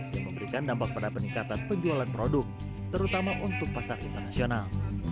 yang memberikan dampak pada peningkatan penjualan produk terutama untuk pasar internasional